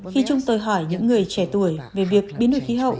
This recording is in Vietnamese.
khi chúng tôi hỏi những người trẻ tuổi về việc biến đổi khí hậu